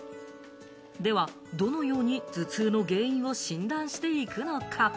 では、どのように頭痛の原因を診断していくのか？